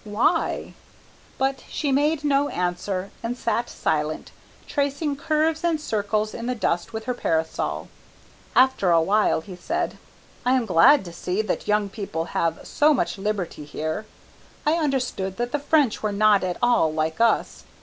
"Why?" But she made no answer, and sat silent, tracing curves and circles in the dust with her parasol. After a while he said "I am glad to see that young people have so much liberty here. I understood that the French were not at all like us.